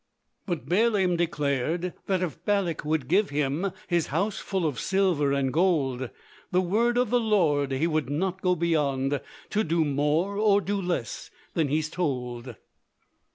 But Balaam declared that if Balak would give Him his house full of silver and gold, The word of the Lord he could not go beyond, To do more or do less than he's told.